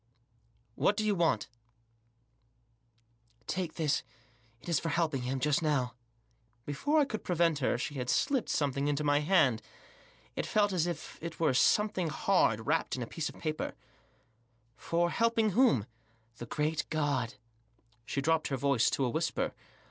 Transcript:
" What do you want ?"" Take this, it is for helping him just now." Before I could prevent her she had slipped some Digitized by THE AFFAIR OF THE FREAK. 153 thing into my hand. It felt as if it were something hard, wrapped in a piece of paper. " For helping whom ?"" The Great God." She dropped her voice to a whisper.